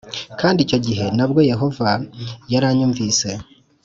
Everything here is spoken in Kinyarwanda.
kandi icyo gihe nabwo Yehova yaranyumvise;